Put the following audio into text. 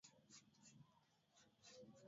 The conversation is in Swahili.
tupia jicho juu ya suala la upigaji marufuku